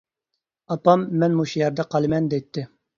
ئاپام مەن مۇشۇ يەردە قالىمەن دەيتتى.